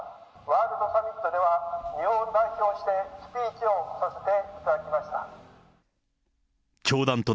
ワールドサミットでは、日本を代表してスピーチをさせていただきました。